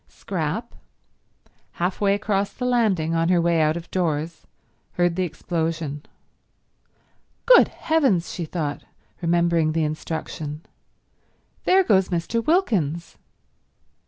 Scrap, half way across the landing on her way out of doors, heard the explosion. "Good heavens," she thought, remembering the instruction, "there goes Mr. Wilkins!"